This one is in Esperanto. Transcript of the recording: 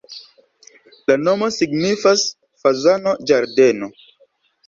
La nomo signifas: fazano-ĝardeno.